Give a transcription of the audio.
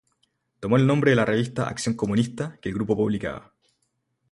Tomó el nombre de la revista "Acción Comunista", que el grupo publicaba.